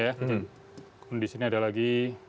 kemudian di sini ada lagi